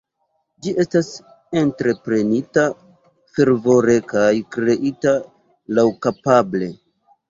Ĝi estas entreprenita fervore kaj kreita laŭkapable.